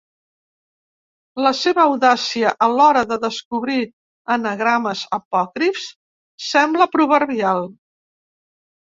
La seva audàcia a l'hora de descobrir anagrames apòcrifs sembla proverbial.